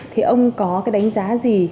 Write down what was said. thì ông có cái đánh giá gì